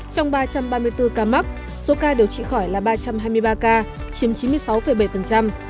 trong ba trăm ba mươi bốn ca mắc số ca điều trị khỏi là ba trăm hai mươi ba ca chiếm chín mươi sáu bảy